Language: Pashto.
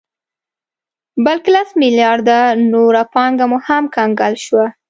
بلکې لس مليارده نوره پانګه مو هم کنګل شوه